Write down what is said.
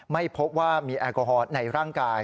ไม่พบว่ามีแอลกอฮอล์ในร่างกาย